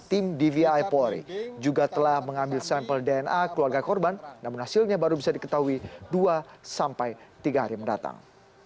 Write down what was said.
tim dvi polri juga telah mengambil sampel dna keluarga korban namun hasilnya baru bisa diketahui dua sampai tiga hari mendatang